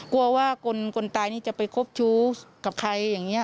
กลัวว่าคนตายนี่จะไปคบชู้กับใครอย่างนี้